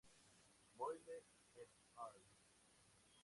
Moyle "et al.